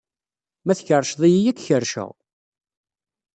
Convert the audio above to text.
Ma tkerrced-iyi, ad k-kerrceɣ.